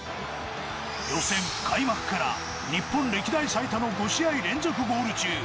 予選、開幕から日本歴代最多の５試合連続ゴール中。